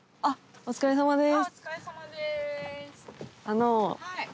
お疲れさまです。